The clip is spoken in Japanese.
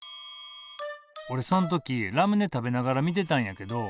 おれそん時ラムネ食べながら見てたんやけど。